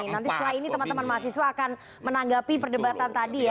nanti setelah ini teman teman mahasiswa akan menanggapi perdebatan tadi ya